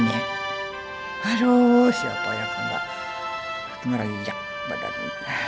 aduh siapa ya kakak ngeriak badannya